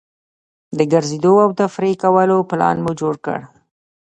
د ګرځېدو او تفریح کولو پلان مو جوړ کړ.